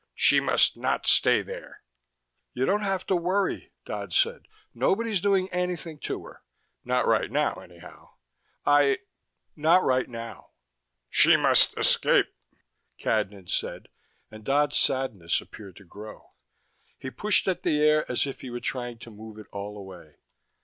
"She must not stay there." "You don't have to worry," Dodd said. "Nobody's doing anything to her. Not right now, anyhow. I not right now." "She must escape," Cadnan said, and Dodd's sadness appeared to grow. He pushed at the air as if he were trying to move it all away.